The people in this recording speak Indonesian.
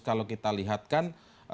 kalau kita lihatkan